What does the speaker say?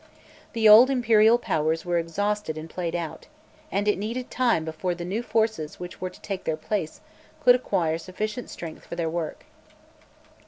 The old imperial powers were exhausted and played out, and it needed time before the new forces which were to take their place could acquire sufficient strength for their work.